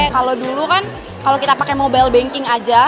kalo dulu kan kalo kita pake mobile banking aja